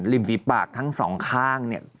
ฝีปากทั้งสองข้างเนี่ย